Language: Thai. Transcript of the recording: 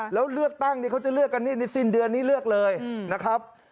แล้วเลือกตั้งเขาจะเลือกกันนี่ในสิ้นเดือนนี้เลือกเลยนะครับ